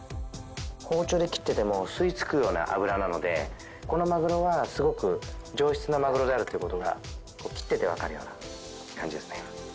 包丁で切ってても吸い付くような脂なのでこのマグロはすごく上質なマグロであるっていう事が切っててわかるような感じですね。